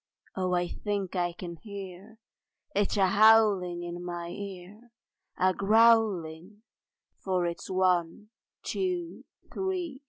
Oh I think I can hear It a howling in my ear, A growling for its One, Two, Three!